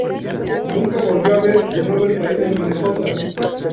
Nunca volvió a ver de nuevo el país de Minnesota.